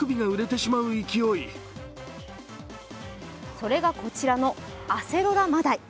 それがこちらのアセロラ真鯛。